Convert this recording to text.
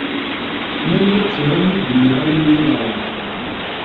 Ma yella d tura mi d-nniɣ ayen iyi-yeḍran.